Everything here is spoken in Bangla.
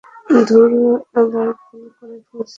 ধুর, আবার ভুল করে ফেলেছি।